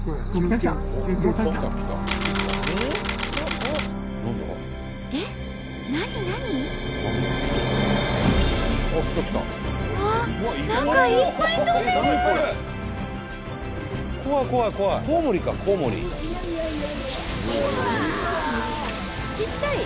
ちっちゃい？